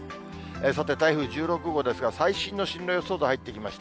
さて、台風１６号ですが、最新の進路予想図入ってきました。